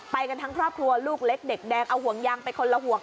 ไปกันทั้งครอบครัวลูกเล็กเด็กแดงเอาห่วงยางไปคนละห่วง